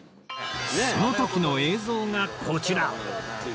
その時の映像がこちら